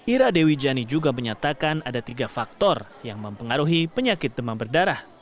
ira dewi jani juga menyatakan ada tiga faktor yang mempengaruhi penyakit demam berdarah